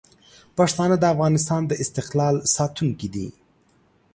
پښتانه د افغانستان د استقلال ساتونکي دي.